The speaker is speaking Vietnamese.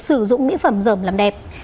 sử dụng mỹ phẩm dởm làm đẹp